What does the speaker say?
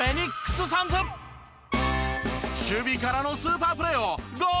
守備からのスーパープレーをご覧あれ！